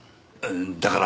だから？